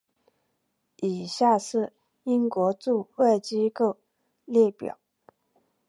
以下是英国驻外机构列表。